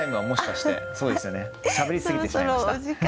しゃべりすぎてしまいました。